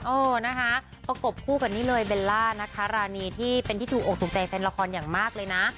โอ้นะคะส่งแล้วทางนี้เลยเบลล่าราหนีที่ดูอกฏุมใจแฟนละครอยากมากเลยนะ